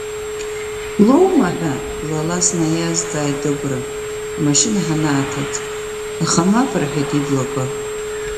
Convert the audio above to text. Лоума ҳәа, блала снаиазҵааит Дыгәра, амашьына ҳанааҭыҵ, аха мап рҳәеит иблақәа.